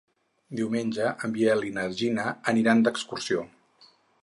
Diumenge en Biel i na Gina aniran d'excursió.